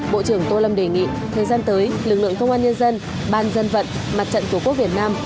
bộ trưởng tô lâm đề nghị thời gian tới lực lượng công an nhân dân ban dân vận mặt trận tổ quốc việt nam